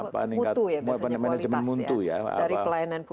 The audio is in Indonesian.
mutu ya dari pelayanan publik itu